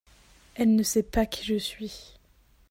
elle ne sait pas qui je suis.